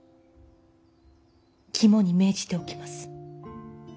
肝に銘じておきます。